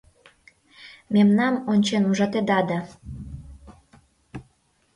Мемнам ончен ужатеда да